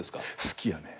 好きやね。